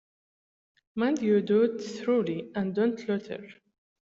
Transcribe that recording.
Mind you do it thoroughly, and don't loiter.